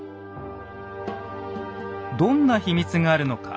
どんな秘密があるのか。